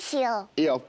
いいよ。